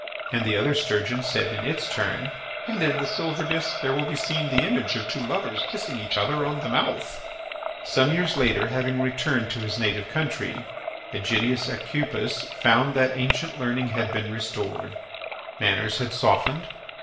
And the other sturgeon said in its turn: "And in the silver disc there will be seen the image of two lovers kissing each other on the mouth." Some years later, having returned to his native country, Ægidius Aucupis found that ancient learning had been restored. Manners had softened.